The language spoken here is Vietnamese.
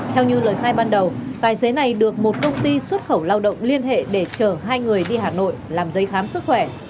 theo như lời khai ban đầu tài xế này được một công ty xuất khẩu lao động liên hệ để chở hai người đi hà nội làm giấy khám sức khỏe